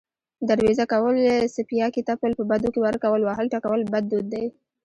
دروېزه کول، څپياکې تپل، په بدو کې ورکول، وهل، ټکول بد دود دی